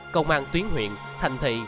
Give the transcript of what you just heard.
công an tuyến huyện thành thị